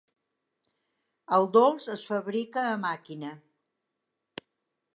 El dolç es fabrica a màquina.